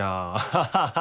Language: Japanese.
ハハハハ。